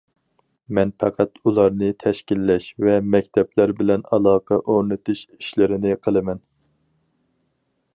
مەن پەقەت ئۇلارنى تەشكىللەش ۋە مەكتەپلەر بىلەن ئالاقە ئورنىتىش ئىشلىرىنى قىلىمەن.